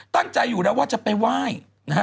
ตั้งใจอยู่แล้วว่าจะไปไหว้นะฮะ